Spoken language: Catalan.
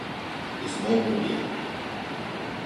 És molt groller.